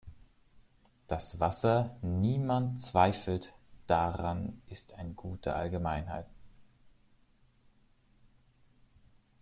Das Wasser niemand zweifelt daran ist ein Gut der Allgemeinheit.